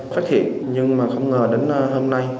phát hiện nhưng không ngờ đến hôm nay